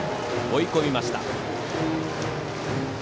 追い込みました。